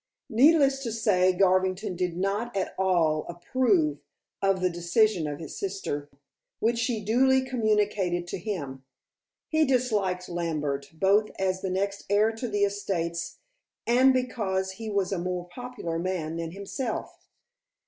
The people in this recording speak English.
Needless to say, Garvington did not at all approve of the decision of his sister, which she duly communicated to him. He disliked Lambert, both as the next heir to the estates, and because he was a more popular man than himself.